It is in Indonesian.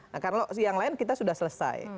nah kalau yang lain kita sudah selesai